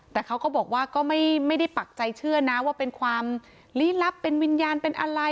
แต่เขาก็บอกว่าก็ไม่ได้ปักใจเชื่อนะว่าเป็นความลี้ลับเป็นวิญญาณเป็นอะไร